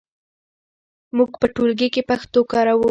موږ په ټولګي کې پښتو کاروو.